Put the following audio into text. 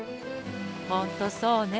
ほんとそうね。